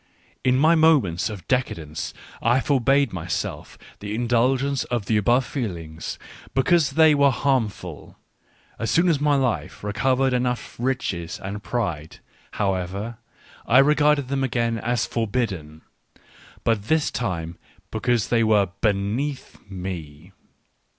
In my moments of decadence I forbade myself the indulgence of the above feelings, because they were hariuful ; as soon as my life recovered enough riches and pride, however, I regarded them again as forbidden, but this time because they were beneath me.